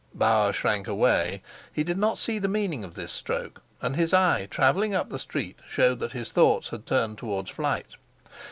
Bauer shrank away. He did not see the meaning of this stroke, and his eye, traveling up the street, showed that his thoughts had turned towards flight.